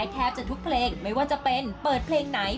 เปลี่ยนได้แทบจากทุกเพลงไม่ว่าจะเป็นเปิดเพลงไหน